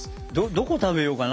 どこ食べようかな。